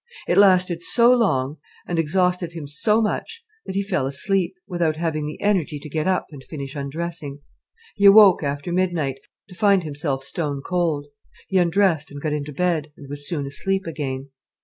It lasted so long, and exhausted him so much, that he fell asleep, without having the energy to get up and finish undressing. He awoke after midnight to find himself stone cold. He undressed and got into bed, and was soon asleep again.